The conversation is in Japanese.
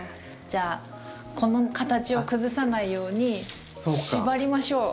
じゃあこの形を崩さないように縛りましょう。